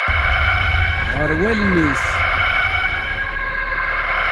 Ɣer wallen-is.